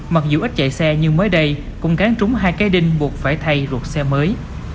mặc dù ít chạy xe nhưng mới đây cũng cán trúng hai cái đinh buộc phải thay ruột xe mới